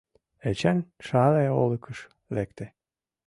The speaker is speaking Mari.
Эчан Шале олыкыш лекте.